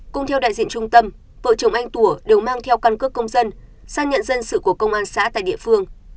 cũng theo đại diện trung tâm vợ chồng anh tủa đều mang theo căn cước công dân xác nhận dân sự của công an xã tại địa phương